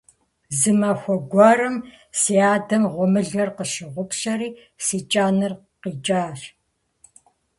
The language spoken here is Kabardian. Зы махуэ гуэрым си адэм гъуэмылэр къыщыгъупщэри, си кӀэныр къикӀащ.